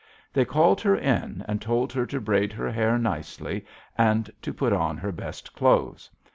They called her in and told her to braid her hair nicely, and to put on her best clothes.